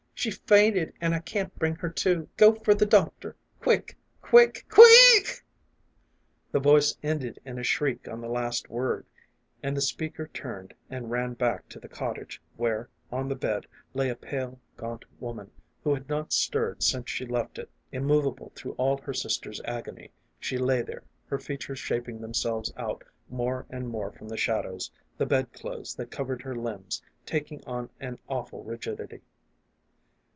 She's fainted, an' I can't bring her to. Go for the doctor quick ! quick ! quick ! The voice ended in a shriek 2 16 A FAR A WA Y MELOD Y. on the. last word, and the speaker turned and ran back to the cottage, where, on the bed, lay a pale, gaunt woman, who had not stirred since she left it Immovable through all her sister's agony, she lay there, her features shaping themselves out more and more from the shadows, the bed clothes that covered her limbs taking on an awful rigidity.